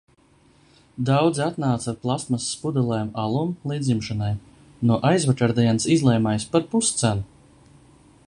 Daudzi atnāca ar plastmasas pudelēm alum līdzņemšanai. No aizvakardienas izlejamais par puscenu.